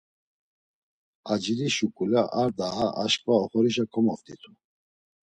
Acili şuǩule ar daa aşǩva oxorişa komoft̆itu.